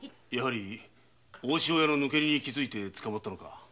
大潮屋の抜け荷に気づいてつかまったのか？